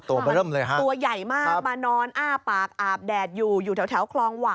ตัวใหญ่มากมานอนอ้าปากอาบแดดอยู่อยู่แถวคลองหวะ